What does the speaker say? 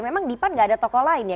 memang di pan gak ada tokoh lain ya